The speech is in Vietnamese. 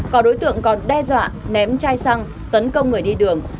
có đối tượng còn đe dọa ném chai xăng tấn công người đi đường